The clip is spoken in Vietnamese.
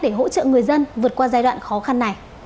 để hỗ trợ người dân vượt qua giai đoạn khó khăn này